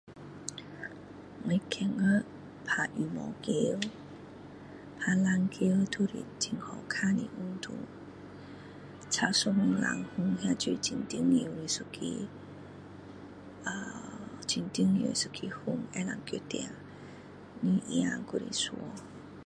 我觉得打羽毛球打篮球都是很好看的运动差一分两分都是很重要的一个呃很重要的一个分可以决定你赢还是输